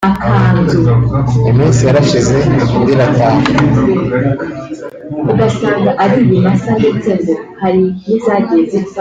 Iminsi yarashize indi irataha